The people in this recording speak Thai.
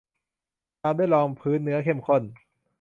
ตามด้วยรองพื้นเนื้อเข้มข้น